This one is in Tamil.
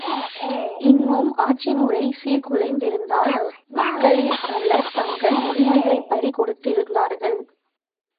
இன்னும் ஆட்சிமுறை சீர்குலைந்திருந்ததனால், மக்களிற் பலர் தங்கள் உடமைகைளைப் பறி கொடுத்திருந்தார்கள்.